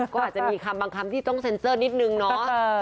ก็อาจจะมีคำบางคำที่ต้องเซ็นเซอร์นิดนึงเนาะ